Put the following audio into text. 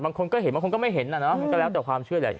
บางคนก็เห็นบางคนก็ไม่เห็นน่ะเนอะมันก็แล้วแต่ความเชื่อแหละ